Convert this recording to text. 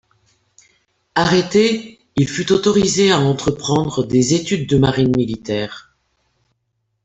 Arrêté, il fut autorisé à entreprendre des études de marine militaire.